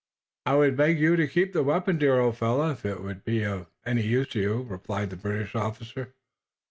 "I would beg you to keep the weapon, dear old fellow, if it would be of any use to you," replied the British officer.